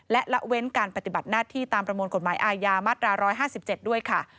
และละเว้นการปฏิบัติหน้าที่ตามประมวลกฎหมายอายามัตราร้อยห้าสิบเจ็ดด้วยค่ะ